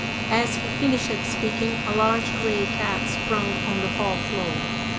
"As he finished speaking, a large grey cat sprung on the hall floor.